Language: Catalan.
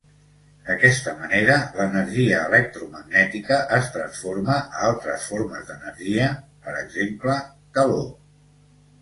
D’aquesta manera, l’energia electromagnètica es transforma a altres formes d’energia per exemple, calor.